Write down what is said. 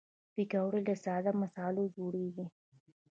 پکورې له ساده مصالحو جوړېږي